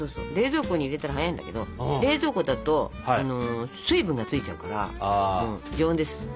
冷蔵庫に入れたら早いんだけど冷蔵庫だと水分がついちゃうから常温です。